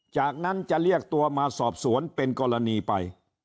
จากนั้นจะเรียกตัวมาสอบสวนเป็นกรณีไป